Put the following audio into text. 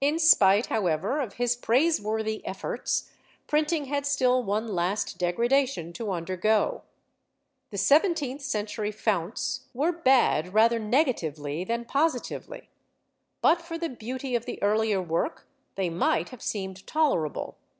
In spite, however, of his praiseworthy efforts, printing had still one last degradation to undergo. The seventeenth century founts were bad rather negatively than positively. But for the beauty of the earlier work they might have seemed tolerable.